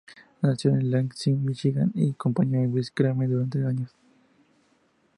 Nació en Lansing, Michigan y acompañó a Wes Craven durante años.